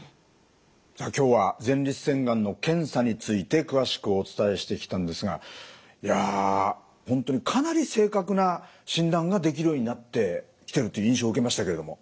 さあ今日は前立腺がんの検査について詳しくお伝えしてきたんですがいや本当にかなり正確な診断ができるようになってきてるっていう印象受けましたけれども。